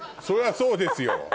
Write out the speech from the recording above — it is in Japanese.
そりゃそうですよ。